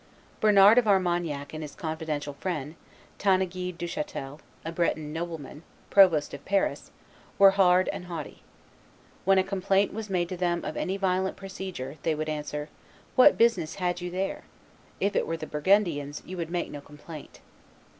Bernard of Armagnac and his confidential friend, Tanneguy Duchatel, a Breton nobleman, provost of Paris, were hard and haughty. When a complaint was made to them of any violent procedure, they would answer, "What business had you there? If it were the Burgundians, you would make no complaint."